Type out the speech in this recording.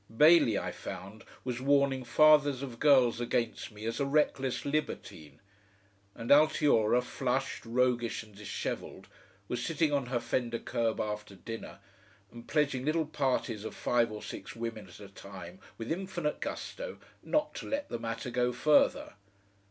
Bailey, I found, was warning fathers of girls against me as a "reckless libertine," and Altiora, flushed, roguish, and dishevelled, was sitting on her fender curb after dinner, and pledging little parties of five or six women at a time with infinite gusto not to let the matter go further.